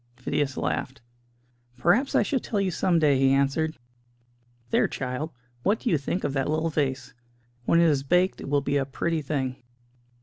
Phidias laughed. "Perhaps I shall tell you some day," he answered. "There, child, what do you think of that little vase? When it is baked it will be a pretty thing."